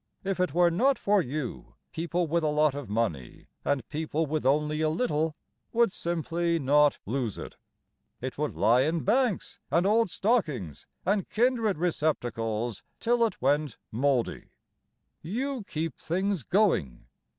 If it were not for you People with a lot of money, And people with only a little, Would simply not lose it. It would lie in banks and old stockings and kindred receptacles Till it went mouldy. You keep things going.